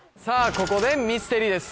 ここでミステリーです